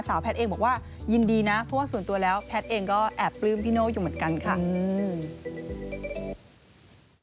แพทย์เองบอกว่ายินดีนะเพราะว่าส่วนตัวแล้วแพทย์เองก็แอบปลื้มพี่โน่อยู่เหมือนกันค่ะอืม